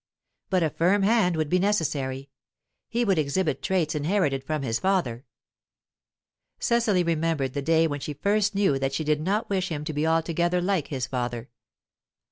But a firm hand would be necessary; he would exhibit traits inherited from his father Cecily remembered the day when she first knew that she did not wish him to be altogether like his father.